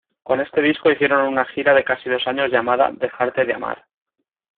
Con este disco hicieron una gira de casi dos años llamada "Dejarte de Amar".